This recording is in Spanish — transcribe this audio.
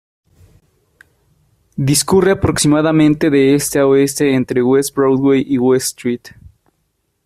Discurre aproximadamente de este a oeste entre West Broadway y West Street.